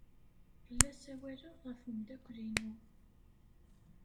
La ssawaleɣ ɣef umeddakel-inu.